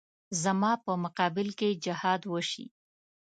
زما په مقابل کې جهاد وشي.